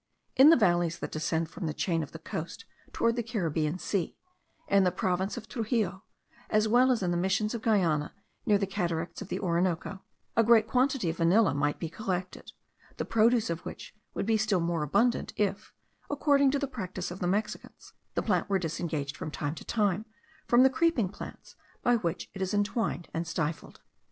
In the valleys that descend from the chain of the coast towards the Caribbean Sea, in the province of Truxillo, as well as in the Missions of Guiana, near the cataracts of the Orinoco, a great quantity of vanilla might be collected; the produce of which would be still more abundant, if, according to the practice of the Mexicans, the plant were disengaged, from time to time, from the creeping plants by which it is entwined and stifled.